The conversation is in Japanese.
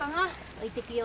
置いてくよ。